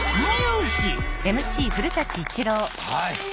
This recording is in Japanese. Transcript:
はい。